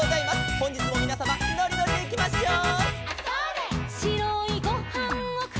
「ほんじつもみなさまのりのりでいきましょう」